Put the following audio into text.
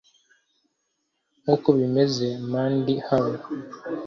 nkuko bimeze - mandy hale